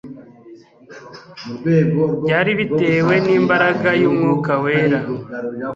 Byari bitewe n'imbaraga y'Umwuka wera.